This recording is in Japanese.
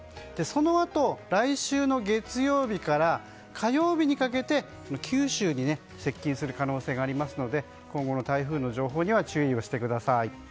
そのあと、来週の月曜日から火曜日にかけて九州に接近する可能性がありますので今後の台風の情報には注意をしてください。